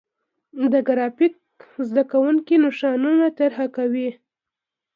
د ګرافیک زده کوونکي نشانونه طراحي کوي.